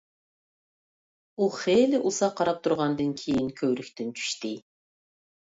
ئۇ خېلى ئۇزاق قاراپ تۇرغاندىن كېيىن، كۆۋرۈكتىن چۈشتى.